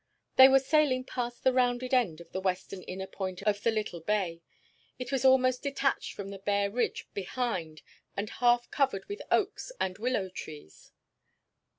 They were sailing past the rounded end of the western inner point of the little bay. It was almost detached from the bare ridge behind and half covered with oaks and willow trees.